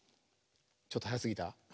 ちょっとはやすぎた？